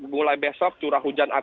mulai besok curah hujan akan datang